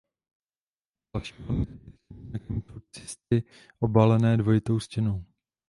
Dalším velmi typickým znakem jsou cysty obalené dvojitou stěnou.